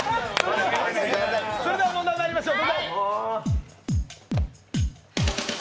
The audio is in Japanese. それでは問題まいりましょう。